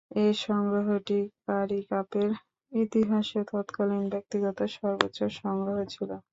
এ সংগ্রহটি কারি কাপের ইতিহাসে তৎকালীন ব্যক্তিগত সর্বোচ্চ সংগ্রহ ছিল।